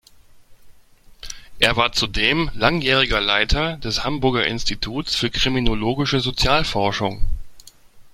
Er war zudem langjähriger Leiter des Hamburger Instituts für Kriminologische Sozialforschung.